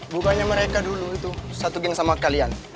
bukannya mereka dulu itu satu geng sama kalian